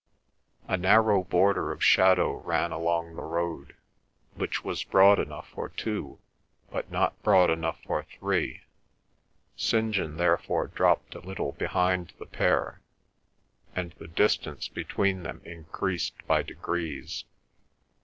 A narrow border of shadow ran along the road, which was broad enough for two, but not broad enough for three. St. John therefore dropped a little behind the pair, and the distance between them increased by degrees.